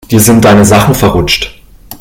Dir sind deine Sachen verrutscht.